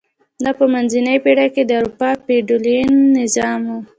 دا په منځنۍ پېړۍ کې د اروپا فیوډالي نظام و.